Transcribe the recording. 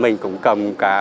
mình cũng cầm cá